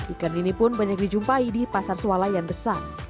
ikan ini pun banyak dijumpai di pasar sualayan besar